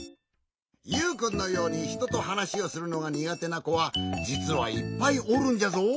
ユウくんのようにひとと話をするのが苦手な子はじつはいっぱいおるんじゃぞ。